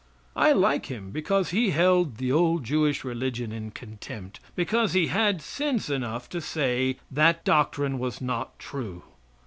I like Him because He held the old Jewish religion in contempt; because He had sense enough to say that doctrine was not true.